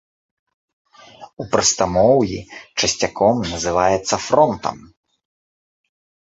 У прастамоўі часцяком называецца фронтам.